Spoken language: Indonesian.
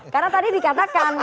karena tadi dikatakan